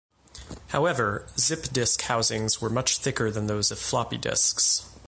However, Zip disk housings were much thicker than those of floppy disks.